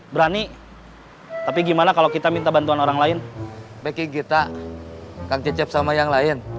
berani tapi gimana kalau kita minta bantuan orang lain packing kita kang cecep sama yang lain